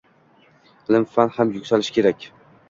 Ilm-fan ham yuksalishi kerak.